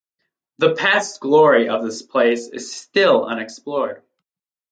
The past glory of this place is still unexplored.